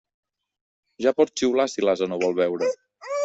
Ja pots xiular si l'ase no vol beure.